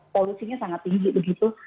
polusinya sangat tinggi begitu